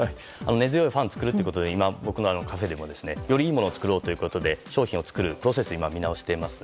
根強いファンを作るということで僕のカフェでもよりいいものを作ろうと商品を作るプロセスを見直しています。